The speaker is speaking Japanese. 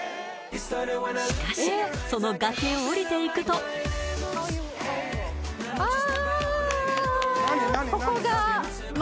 しかしその崖を降りていくとああ！